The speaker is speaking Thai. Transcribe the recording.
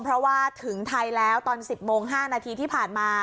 เพราะว่าถึงไทยแล้วตอน๑๐โมง๕นาทีที่ผ่านมา